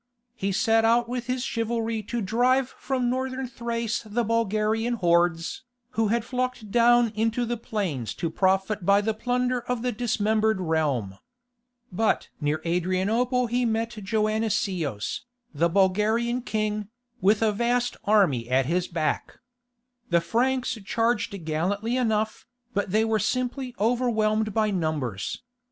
He set out with his chivalry to drive from Northern Thrace the Bulgarian hordes, who had flocked down into the plains to profit by the plunder of the dismembered realm. But near Adrianople he met Joannicios, the Bulgarian king, with a vast army at his back. The Franks charged gallantly enough, but they were simply overwhelmed by numbers.